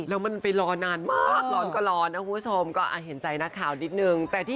แล้วมันไปรอนานมากร้อนก็ร้อนนะคุณผู้ชมก็เห็นใจนักข่าวนิดนึง